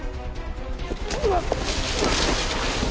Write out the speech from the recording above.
うわっ！